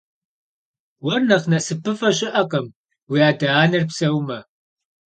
Уэр нэхъ насыпыфӏэ щыӏэкъым уи адэ-анэр псэумэ.